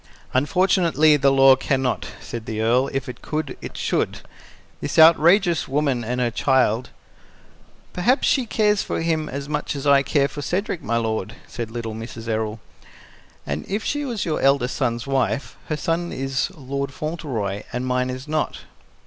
"Unfortunately the law can not," said the Earl. "If it could, it should. This outrageous woman and her child " "Perhaps she cares for him as much as I care for Cedric, my lord," said little Mrs. Errol. "And if she was your eldest son's wife, her son is Lord Fauntleroy, and mine is not."